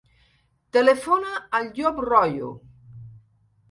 Telefona al Llop Royo.